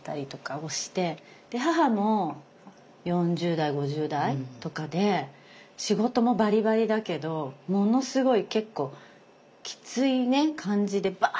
で母も４０代５０代とかで仕事もバリバリだけどものすごい結構きついね感じでばって言ってくるのでもう２人で。